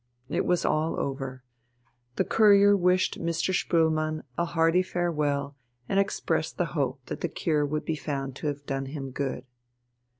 It was all over. The Courier wished Mr. Spoelmann a hearty farewell and expressed the hope that the cure would be found to have done him good.